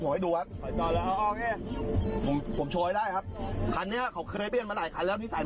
มาดูพี่รอยมันเตะรถผมเนี่ยมันขับมันขับหลายคันแล้วเนี่ย